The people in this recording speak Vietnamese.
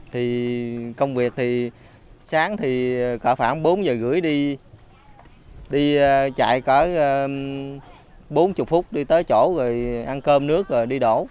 thì công việc thì sáng thì cỡ khoảng bốn h ba mươi đi đi chạy cỡ bốn mươi phút đi tới chỗ rồi ăn cơm nước rồi đi đổ